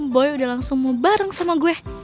boy udah langsung mau bareng sama gue